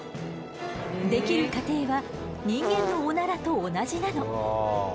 出来る過程は人間のオナラと同じなの。